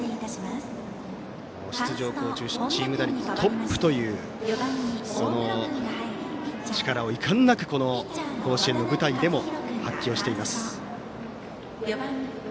出場校中チーム打率トップというその力を遺憾なく甲子園の舞台でも発揮をしています。